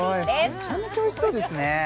めちゃくちゃおいしそうですね。